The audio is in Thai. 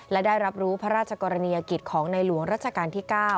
และได้รับรู้พระราชกรณียกิจของในหลวงรัชกาลที่๙